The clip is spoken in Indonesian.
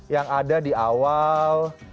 yang ada di awal